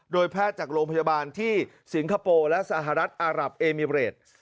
โดยแพทย์จากโรงพยาบาลที่สิงคโปร์และสหรัฐอารับเอมิเรด